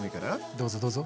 どうぞどうぞ！